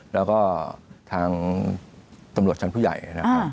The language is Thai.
แล้วก็ทางตำรวจชั้นผู้ใหญ่นะครับ